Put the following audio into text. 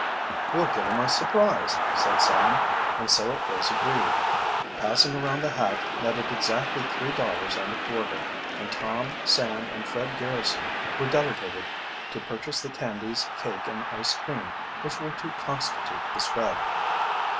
"We'll give him a surprise," said Sam, and so it was agreed. Passing around the hat netted exactly three dollars and a quarter, and Tom, Sam, and Fred Garrison were delegated to purchase the candies, cake, and ice cream which were to constitute the spread.